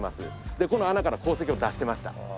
でこの穴から鉱石を出してました。